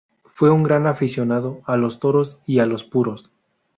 Fue un gran aficionado a los toros y a los puros.